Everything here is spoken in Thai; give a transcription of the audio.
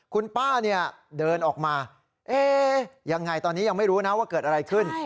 คุณป้าเนี่ยเดินออกมายังไงตอนนี้ยังไม่รู้นะว่าเกิดอะไรขึ้น